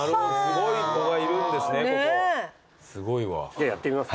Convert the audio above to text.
じゃやってみます？